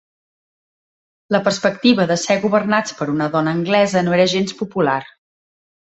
La perspectiva de ser governats per una dona anglesa no era gens popular.